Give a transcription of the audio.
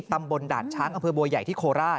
ตำบลด่านช้างอำเภอบัวใหญ่ที่โคราช